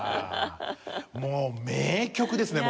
もう名曲ですね